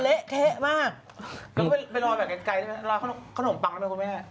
แล้วก็ไปลอยแบบไกลลอยขนมปังนะคุณแม่